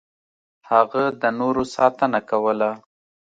هغه د نورو ساتنه کوله.